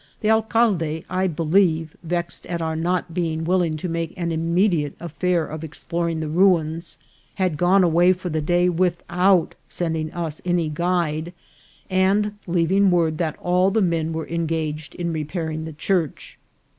The alcalde, I be lieve vexed at our not being willing to make an imme diate affair of exploring the ruins, had gone away for the day without sending us any guide, and leaving word that all the men were engaged in repairing the church.